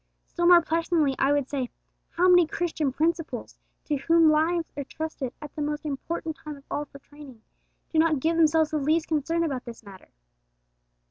Still more pressingly I would say, how many Christian principals, to whom young lives are entrusted at the most important time of all for training, do not give themselves the least concern about this matter!